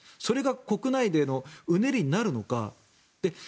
それが国内でのうねりになるのか。